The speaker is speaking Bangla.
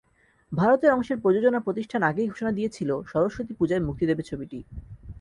ভারতের অংশের প্রযোজনা প্রতিষ্ঠান আগেই ঘোষণা দিয়েছিল সরস্বতী পূজায় মুক্তি দেবে ছবিটি।